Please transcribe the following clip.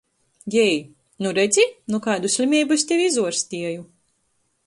Jei: - Nu, redzi nu kaidu slimeibu es tevi izuorstieju!...